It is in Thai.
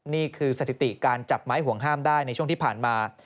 นี่คือสถิติการจับไม้ห่วงห้ามได้ในช่วงที่ผ่านมา